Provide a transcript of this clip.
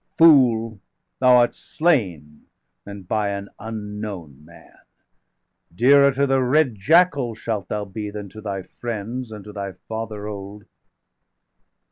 °536 Fool, thou art slain, and by an unknown man! Dearer to the red jackals° shalt thou be °538 Than to thy friends, and to thy father old."